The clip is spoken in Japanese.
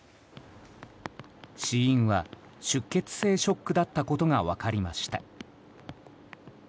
死因は出血性ショックだったことが分かりました。